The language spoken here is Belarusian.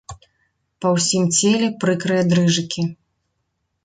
Па ўсім целе прыкрыя дрыжыкі.